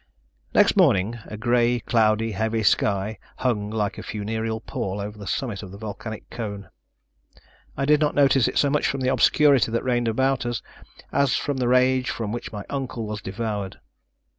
Next morning, a grey, cloudy, heavy sky hung like a funereal pall over the summit of the volcanic cone. I did not notice it so much from the obscurity that reigned around us, as from the rage with which my uncle was devoured.